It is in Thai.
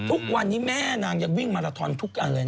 ทุกวันนี้แม่นางยังวิ่งมาราทอนทุกอันเลยนะ